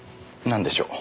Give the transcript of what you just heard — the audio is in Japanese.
なんでしょう？